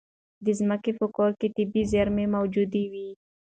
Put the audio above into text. د ځمکې په کوره کې طبیعي زېرمې موجودې وي.